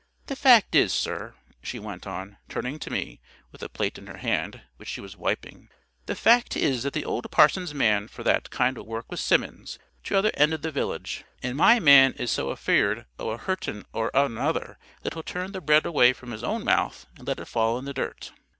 The fact is, sir," she went on, turning to me, with a plate in her hand, which she was wiping, "the fact is, that the old parson's man for that kind o' work was Simmons, t'other end of the village; and my man is so afeard o' hurtin' e'er another, that he'll turn the bread away from his own mouth and let it fall in the dirt."